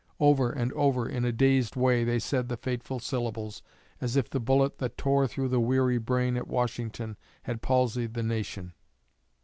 Over and over, in a dazed way, they said the fateful syllables, as if the bullet that tore through the weary brain at Washington had palsied the nation.